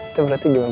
itu berarti gimana